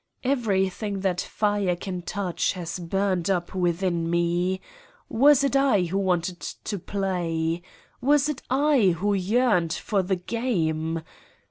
Everything that fire can touch has burned up within me. Was it I who wanted to 210 Satan's Diary play I Was it I who yearned for the game?